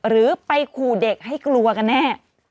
หรือไปขู่เด็กให้กลัวกันแน่